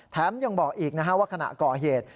ยังบอกอีกว่าขณะก่อเหตุ